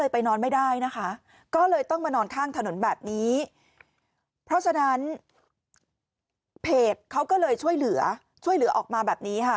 เพจเขาก็เลยช่วยเหลือช่วยเหลือออกมาแบบนี้